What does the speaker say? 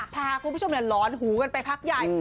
พาคุณผู้ชมเนี่ยร้อนหูกันไปพักใหญ่